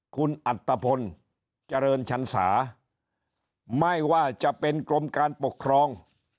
คุณอัตภพลเจริญชันสาไม่ว่าจะเป็นกรมการปกครอง